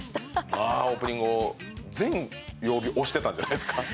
オープニング、全曜日押してたんじゃないですか。